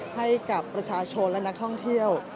ให้กับประชาชนและนักท่องเที่ยว